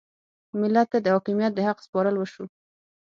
ملت ته د حاکمیت د حق سپارل وشو.